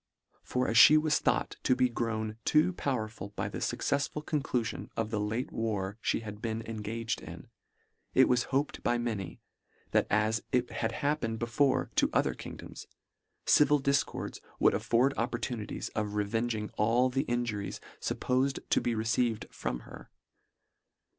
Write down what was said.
For as fhe was thought to be grown too power ful by the fuccefsful conclulion of the late war fhe had been engaged in, it was hoped by many, that as it had happened before to other kingdoms, civil difcords would afford opportunities of revenging all the injuries fuppofed to be received from her.